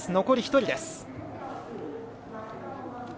残り１人です。